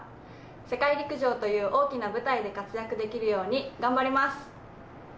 世界陸上という大きな舞台で活躍できるように頑張ります。